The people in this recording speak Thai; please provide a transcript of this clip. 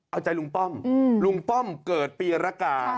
เอาใจลุงป้อมลุงป้อมเกิดปีรกา